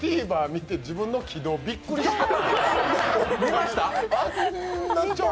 ＴＶｅｒで自分の軌道、びっくりしました！